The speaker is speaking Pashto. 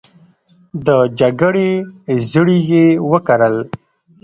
د جګړې زړي یې وکرل